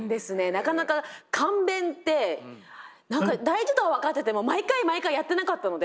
なかなか観便って何か大事とは分かってても毎回毎回やってなかったので。